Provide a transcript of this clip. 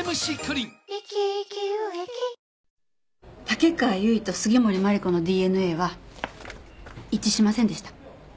竹川由衣と杉森真梨子のＤＮＡは一致しませんでした。